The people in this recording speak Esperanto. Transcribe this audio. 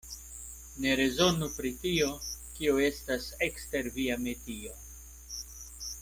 Ne rezonu pri tio, kio estas ekster via metio.